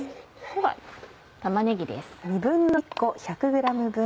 では玉ねぎです。